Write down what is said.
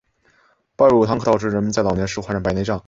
半乳糖可导致人们在老年时患上白内障。